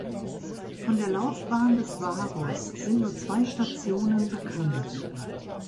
Von der Laufbahn des Varus sind nur zwei Stationen bekannt.